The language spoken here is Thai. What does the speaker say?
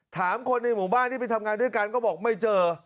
ถามคนในหมู่บ้านที่ไปทำงานด้วยกันก็บอกไม่เจอ